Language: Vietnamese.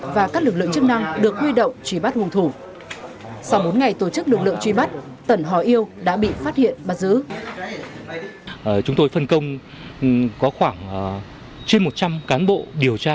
và các lực lượng chức năng được huy động truy bắt hung thủ